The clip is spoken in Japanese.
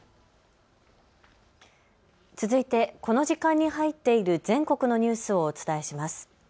続いてこの時間に入っている全国のニュースをお伝えします。